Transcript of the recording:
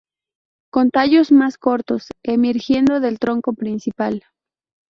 Con tallos más cortos emergiendo del tronco principal.